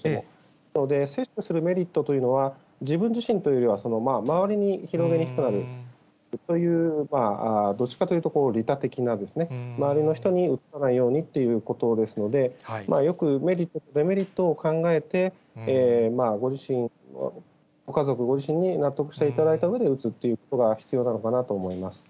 なので接種するメリットというのは、自分自身というよりは、周りに広げにくくなるというどっちかというと利他的なですね、周りの人にうつさないようにということですので、よくメリット、デメリットを考えて、ご家族、ご自身で納得していただいたうえで打つということが必要なのかな